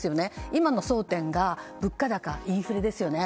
今の争点が物価高、インフレですよね。